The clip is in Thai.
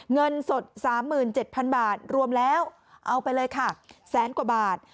เงินสด๓๗๐๐บาทรวมแล้วเอาไปเลยค่ะแสนกว่าบาท